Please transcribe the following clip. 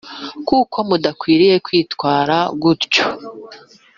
kuko mudakwiriye kwitwara gutyo